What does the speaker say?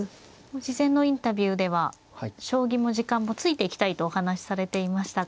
事前のインタビューでは将棋も時間もついていきたいとお話しされていましたが。